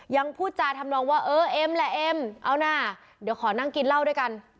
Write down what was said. พูดจาทำนองว่าเออเอ็มแหละเอ็มเอานะเดี๋ยวขอนั่งกินเหล้าด้วยกัน